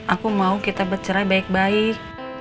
aku mau kita bercerai baik baik